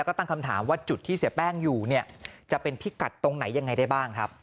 ก็ตั้งคำถามว่าจุดที่เสียแป้งอยู่เนี่ยจะเป็นพิกัดตรงไหนยังไงได้บ้างครับ